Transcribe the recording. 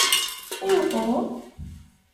I uɣrum?